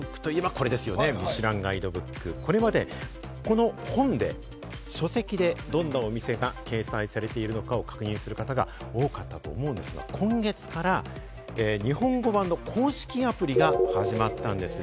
これまではこのガイドブックで、どんなお店が掲載されているのか確認する人が多かったと思うんですが、今月から日本語版の公式アプリが始まったんです。